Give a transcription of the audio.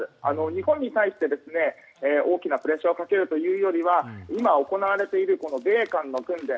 日本に対して大きなプレッシャーをかけるというよりは今、行われている米韓の訓練